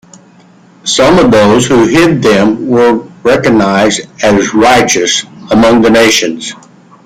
Some of those who hid them were recognised as "Righteous Among the Nations".